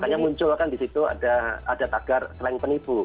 jadi itu kan di situ ada tagar sleng penipu